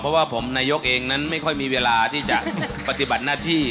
เพราะว่าผมนายกเองนั้นไม่ค่อยมีเวลาที่จะปฏิบัติหน้าที่